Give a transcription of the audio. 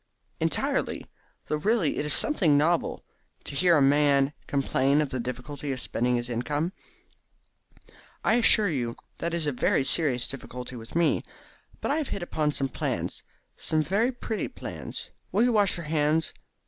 "Entirely; though really it is something novel to hear a man complain of the difficulty of spending his income." "I assure you that it is a very serious difficulty with me. But I have hit upon some plans some very pretty plans. Will you wash your hands?